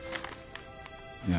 いや。